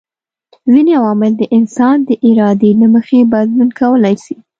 ځيني عوامل د انسان د ارادې له مخي بدلون کولای سي